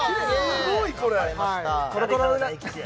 すごいこれ分かれました